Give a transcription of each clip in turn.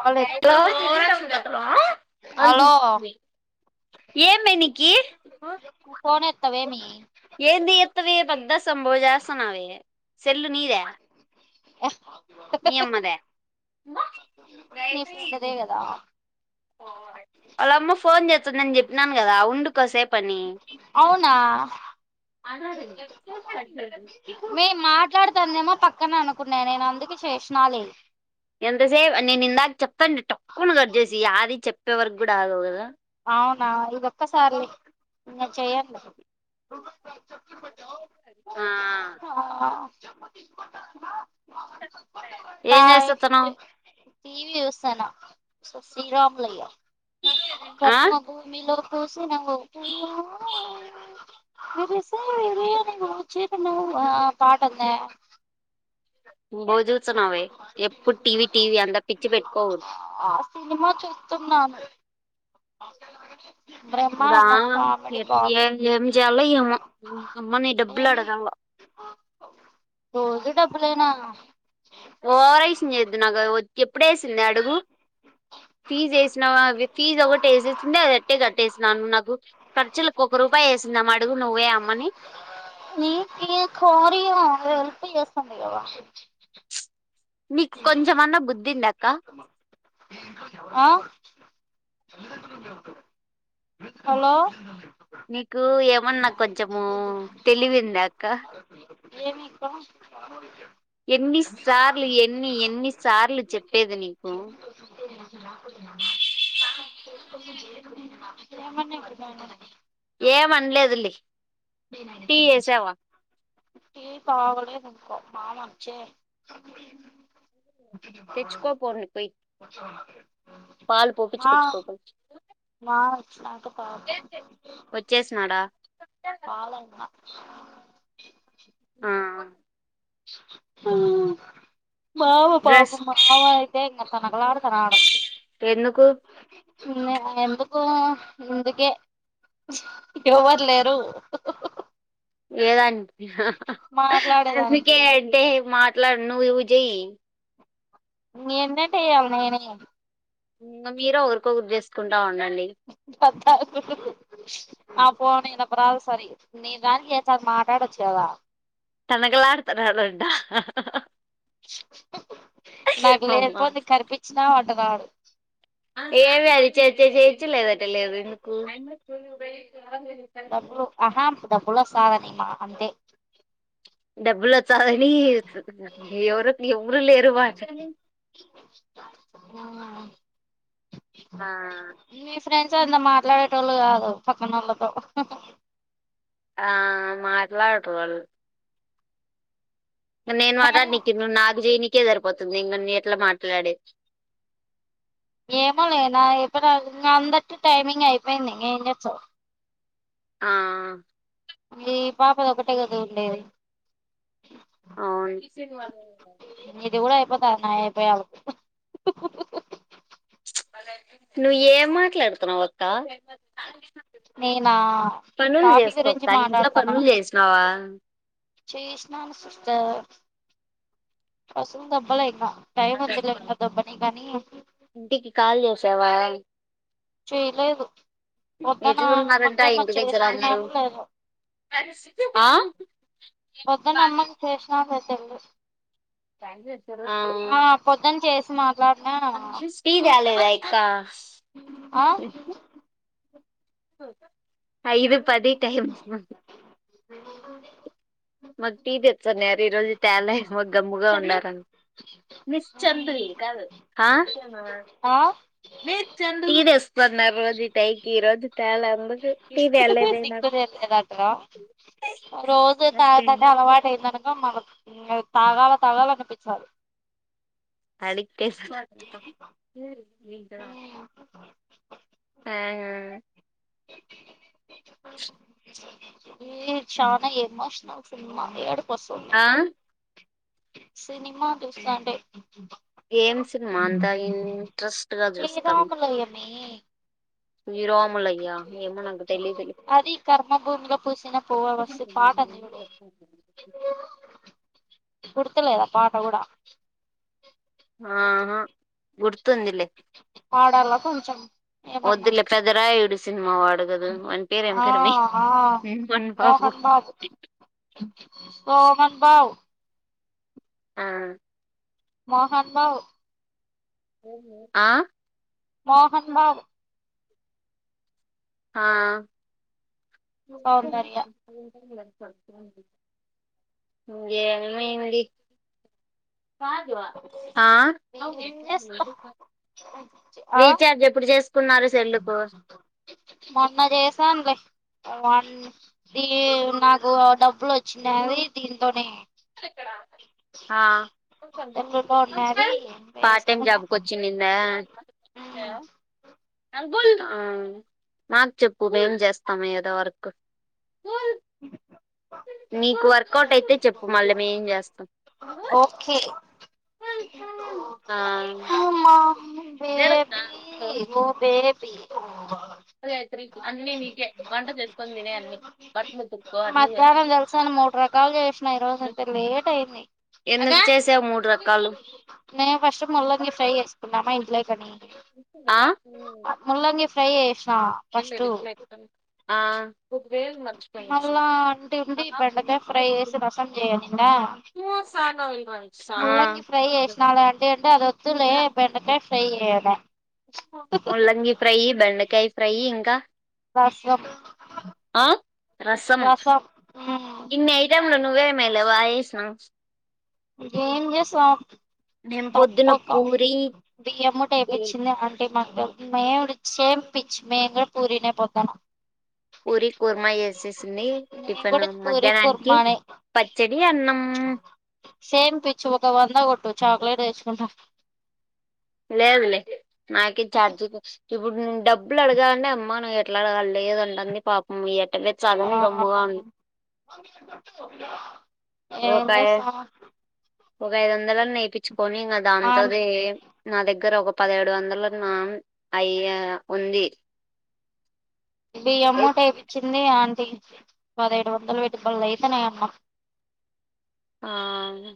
Call ఎత్ అని hello చూస్తుంది ఏమే నీ కి నువ్వు ఫోన్ ఎత్తవేమి ఏంది చేస్తవే పొద్దస్తం బ్ చేస్తున్నావే సెల్లు నీదా నీ అమ్మ దా నీ ఫ్రెండ్దే కదా ఓవరక్షన్ వాళ్ళమ్మ ఫోన్ చేస్తుందని చెప్పినాను కదా ఉండు కోసేపని అవునా మాట్లాడింది కట్ చేసింది మే మాట్లాడుతందేమో పక్కన అనుకున్నాను నేను అందుకే చేసినా లే ఎంతసేపు నేను ఇందాక చెప్తానండి టక్కున కట్ చేసి యాది చెప్పే వరకు కూడా ఆగవ్ కదా అవునా ఇదొక్కసారి లే ఇంగా చేయనులే ఆ ఆ ఏం ఆ చేస్తున్నావ్ టీవీ చూస్తన్న శ్రీరాములయ్య ఆ కర్మభూమిలో పూసిన ఓ పువ్వా విరిసి వీరియాని ఓ చిరునవ్వు పాట ఉందే బో చూస్తున్నావే ఎప్పుడు టీవీ టీవీ అంతా పిచ్చి పెట్కోద్ ఆ సినిమా చూస్తున్నాను ఇప్పుడా బ్రహ్మానందం కామెడీ ఎ ఏ బాగుంది ఏమి చేయాలో ఎమో అమ్మాని డబ్బులు అడగాలా ఆ రోజు డబ్బులేనా ఓవరక్షన్ చేయొద్దు నాకు ఎప్పుడేసింది అడుగు ఫీజ్ వేసినవా ఫీజ్ ఒకటి వేసేసింది అదిఅట్టే కట్టేసినాను నాకు ఖర్చులకు ఒక్క రూపాయి వేసిందేమె అడుగు నువ్ పోయి అమ్మని [unintelligible] హెల్ప్ చేస్తుంది కదా నీకు కొంచెమన్నా బుద్ధి ఉందాక్క ఆ తల్లీద్రండ్రులు లేప్తవే హలో నీకు ఏమన్నా కొంచెము తెలివిందా అక్క ఏమి అక్క ఎన్ని సార్లు ఎన్ని ఎన్ని సార్లు చెప్పేది నీకు అేకు ఆ ఏమన్న ఇప్పుడు నీను ఏం అనలేదు లే నేను ఆయనకి తినిపించాలి టీ తాగలేదింక మామొచ్చే ముచ్చు పర్వాడ తెచ్చుకోపోండి పోయి స్చ్చమనతే పాలు పోపిచ్చుకొచ్చుకో పోయి వావ్ నాకు కా వచ్చేసినడా రాలె ఇంక ఉమ్ మావ డ్రెస్ పాపం మావయితే ఇంగ తనకలాడుతున్నాడు. ఎందుకు? ఉమ్ ఎందుకు ఇందుకే ఎవరు లేరు లేదం అందుకే మాట్లాడేదానికి అంటే మాట్లాడు నువ్వు జెయ్ మీ ఎన్నట్టేయాలి నేనేయా ఇంగా మీరు ఒకరికొకరు చేసుకుంటా ఉండండి. అబ్బా ఆ ఫోను రాదు సరే, నీ దానికి చేస్తాను మాట్లాడవచ్చు కదా. తనకలాడుతున్నారంటా నాకు అమ్మా లేదుపో నే కనిపిచిన్నావ్ అంటున్నాడు. ఏమే అది చేస్తే చెయ్యొచ్చు లేదంటే లేదు ఎందుకు? డబ్బులు ఆహ డబ్బులు వస్తాదని మా అంతే డబ్బులు వ ఎవరు లేరు మాట ఆ ఆ మీ ఫ్రెండ్స్ అంత మాట్లాడేటోళ్ళు కాదు పక్కనోళ్ళతో. ఆ మాట్లాడరు వాళ్ళు. నేను కానీ మాట్లాడినికీ నువ్వు నాకు జేయనికే సరిపోతుంది, ఇంగ నేను ఎట్లా మాట్లాడేది? ఏమో లే నా అయిపోయి ఇంగ అందరికీ టైమింగ్ అయిపోయింది ఇంగ ఏం చేస్తవు? ఆ ఈ పాపది ఒకటే కద ఉండేది. ఆ మీది గుడ అయిపోతాది నాది అయిపోయళ్లకు నువ్ ఏం మాట్లాడుతున్నావు అక్క? నేనా పనిలు కాఫీ చేసుకో గురించి అక్క, ఇంట్లో మాట్లాడుతాన్నా పనులు చేసినవా? చేసినాను సిస్టర్, కసువు దోబ్బలేఇంగ టైం ఉందిలే ఇంగా దొబ్బనికి అని. ఇంటికి కాల్ చేసావా? చేయలేదు పోదున్న ఎట్లున్నారంట అమ్మకేమో ఇంటి దగ్గర అందరూ చేసిపోయానానో లేదో. ఆ నమ్మకు చేసినానో లేదో తెల్వది. ఉమ్ పొద్దున చేసినా లాగ్న అంజి స్వి రాలేదా అక్క? ఆ ఐదు పది టైమ్ మకు టీ తెచ్చానారు, ఈ రోజు తేలమో గమ్ముగా ఉన్నారం నిశ్చందు ఈ కాదు ఆ ఆ టీ తేస్తున్నారు రోజు ఈ టైకి, ఈ రోజు తేలె అందుకే నీకు తెలియట్లేదు అంటరా రోజు తాగుతా అంటే నాకు అలవాటు అయిందనుకో ఇంగ మనం ఇంగ తాగాల తాగాల అనిపించాలి. అడిక్ట్ అయిపోత [unintelligible] ఇది చానా ఎమోషనల్ సినిమా ఏడుపోస్సుంది ఆ సినిమా చూస్తాంటే ఏం సినిమా అంత ఇంట్రెస్ట్ గా [unintelligible] వీరాములయ్యా ఏమో నాకు తెలిదు లే అది కర్మ భూమిలో పూసిన పువ్వా వస్ పాట ఉంది చూడు గుర్తులేదా పాట కూడా ఆహా గుర్తుందిలే పాడాల కొంచెం ఏమన్నా వద్దులే పెద్దరాయుడు సినిమా వాడు [unintelligible] వాన్ పేరు ఏం ఆ పేరు మే ఆ మోహన్ బావ్ ఆ మోహన్ బౌ ఆ మోహన్ బాబు హా సౌందర్య ఇంగేమైంది ఆ ఏం చేస్తా ఆ రీచార్జ్ ఎప్పుడు చేసుకున్నారు సెల్లుకు మొన్న చేసానులే వన్ ది నాకు డబ్బులు వచ్చిన్నావి దీంతోనే ఆ సెల్లులో ఉన్నది పార్ట్ టైమ్ వేసుకున్నా జాబ్ కు వచ్చిన్నిందా హలో మాకు చెప్పు మేం చేస్తాం ఏదో వర్క్ నీకు వర్కౌట్ అయితే చెప్పు మళ్ళీ మేం చేస్తాం ఓకే ఆ మా బేబీ మ బేబీ అదే అయితనయ్ అన్ని నీకే వంట చేసుకొని తినేయ్ అన్ని బట్టలు ఉతు మధ్యాహ్నం తెలుసా నే మూడు రకాలు చేసినా ఈ రోజు ఎంత లేట్ అయింది ఎందుకు చేసావ్ మూడు రకాలు నేను ఫస్ట్ ముల్లంగి ఫ్రై చేసుకున్నామా ఇంట్లోకని ఆ ముల్లంగి ఫ్రై చేస్నా ఆ మళ్ళా అంటే అండి బెండకాయ ఫ్రై చేసి రసం జేయ్ అనిందా ఆ ముల్లంగి ఫ్రై చేసినాలే అంటే అండి అది వద్దులే బెండకాయ్ చెయ్ అనే ముల్లంగి ఫ్రై బెండకాయ ఫ్రై ఇంకా రసం ఆ రసం మ్మ్ ఇన్ని ఐటాం లు నువ్వె మేలె బాగచేసినావ్ ఏం చేసినావ్ నేను పొద్దున పూరి బియ్యం మూట వేపిచ్చిన బాగ మేమ్ సేమ్ పిచ్చ్ మేమ్ కూడా పూరినే పొద్దన పూరి కుర్మా చేసేసింది నేను టిఫిన్ కూడా పూరి మధ్యాహ్నానికి కుర్మానే పచ్చడి అన్నం సేమ్ పిచ్చు ఒక వంద కొట్టు చాక్లెట్ తెచ్చుకుంటా లేదులే నాకే చార్జికి ఇప్పుడు డబ్బు డబ్బులు అడగాలన్నా అమ్మ నువ్వు ఎట్లా అడగాలి లేదు అంటాది పాపం ఎట్టా ఆ ఒక ఏం చేస్తాం ఐదు వందలన్న వేపిచ్చుకోని ఇక ఆన్ దాంతోదే నా దగ్గర ఒక పదిహేడు వందలన్న అయె ఉంది బియ్యం మూట వేపిచ్చింది ఆంటీ పదహేడు వందలు పెట్టి బలే అయిపోయినాయామ్మ అను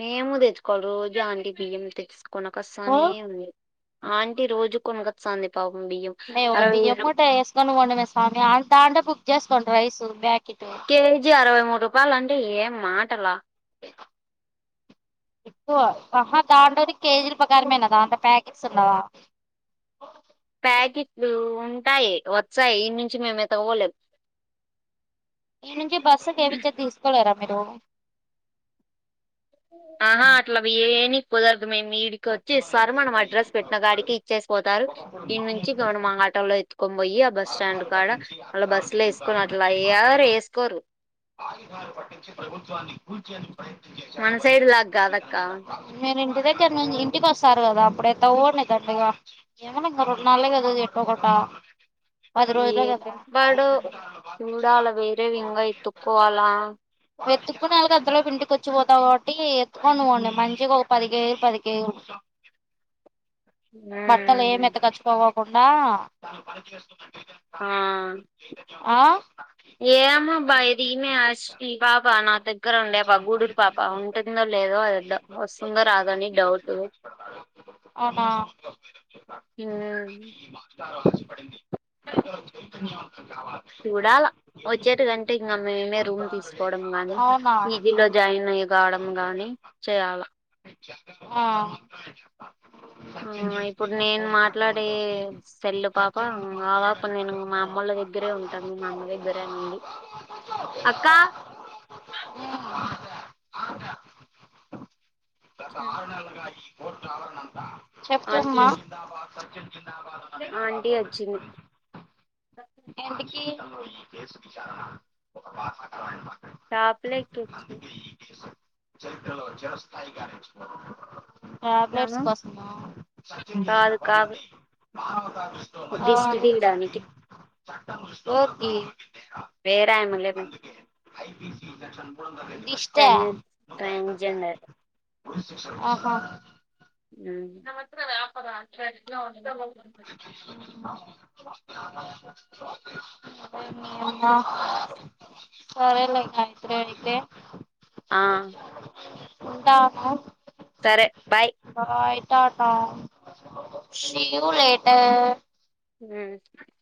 మేము తెచ్చుకోవాల్ల రోజు అంటీ బియ్యం తెచ్చు ఓ కొనకస్తానే ఉంది ఆంటీ రోజు కొనకొస్తాంది పాపం బియ్యం మేము ఒక అరవై ఐదు బియ్యం రూ- మూట వేసుకని పోండి మే స్వామి దాంట్లో బుక్ చేసుకోండి రైస్ బ్యాకెటు కేజీ అరవై మూడు రూపాయలు అంటే ఏం మాటలా ఎక్కువ ఆహ దాంట్లోది కేజీల ప్రకారమేనా దాంట్లో ప్యాకెట్స్ ఉండవా ప్యాకెట్లు ఉంటాయి వస్తాయి ఈనుంచి మేము ఎత్తుకుపోలేము ఈనుంచి బస్సుకి యేపిత్తే తీసుకోలేరా మీరు ఆహా అట్లా ఎవీ కుదరదు మేము ఈడి ఇడికి వచ్చి ఇస్తారు మనం అడ్రస్ పెట్టిన గాడికి ఇచ్చేసి పోతారు ఇన్ని నుంచి ఇగ మనం ఆటోలో ఎత్తుకొని పోయ్యి ఆ బస్ స్టాండ్ కాడ మళ్ళా బస్సులో వేసుకొని అట్లా ఎవరు యేసుకోరు ఆయుధాలు పట్టించి ప్రభుత్వాన్నీ కూల్చేరు మన సైడ్ లాగా కాదక్క మీరు ఇంటి దగ్గర నుంచి ఇంటికి వస్తారు కదా అప్పుడు ఎత్తుకుపొండి దెండిగ ఏమున్నా ఇంగ రెన్నాళ్ళె కద ఎట్టోగట్టా పది రోజులే ఏం కదా చెప్పాడు చూడాల వేరేవి ఇంగా ఎతుక్కోవాలా ఎత్తుకునే యాలికి అంతలోపు ఇంటికి వచ్చిపోతాం కాబట్టి ఎత్తుకొని పోండి మంచికి ఒక పది కేజీలు పది కేజీలు బట్టలు ఏం ఎత్తకచ్చు పోవకుండా ఆ ఆ ఏమో అబ్బా ఇది ఇమె అస్ ఈ పాప నా దగ్గర ఉండే పాప గూడూరు పాప ఉంటుందో లేదో తెల్దు వస్తుందో రాదో అని డౌట్ అవునా అవును [inaudible] చూడాల వచ్చేటి కంటే ఇంకా మేమే రూమ్ తీసుకోవడం గానీ అవునా పీజీలో జాయిన్ అయ్యే రావడం గాని చేయాల ఆ ఆ ఇప్పుడు నేను మాట్లాడే సెల్లు పాప ఆ పాప నేను మా అమ్మోల్ల దగ్గరే ఉంటాను నాన్న దగ్గరే అనింది చెప్పమ్మా ఆంటీ ఆంటీ వచ్చింది ఏంటికీ షాప్ లేకి వచ్చింది చరిత్రలో చిర స్థాయి నిచ్చుకో టాబ్లెట్స్ కోసమా కాదు కాదు ఆ దిష్టి వోరికి తీయడానికి వేరే యమ్మలే దిష్ ట్రెనిష్ ట్రాన్స్జెండర్ ఆహ [unintelligible] మీయమ్మో సరేలె ఇంగ ఇప్పుడే అయితే ఆ ఉంటాము సరే bye bye tata see you later ఉ